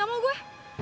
gak mau gue